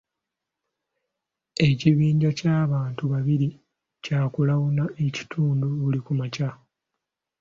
Ekibinja ky'abantu babiri kya kulawuna ekitundu buli ku makya